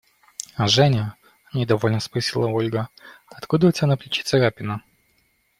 Женя, – недовольно спросила Ольга, – откуда у тебя на плече царапина?